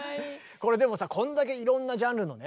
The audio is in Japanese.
でもさこんだけいろんなジャンルのね